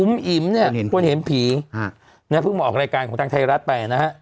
อิ๋มเนี่ยควรเห็นผีนะเพิ่งมาออกรายการของทางไทยรัฐไปนะฮะ